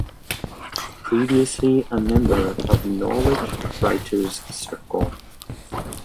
Previously a member of Norwich Writers' Circle.